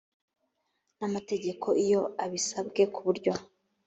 n amategeko iyo abisabwe ku buryo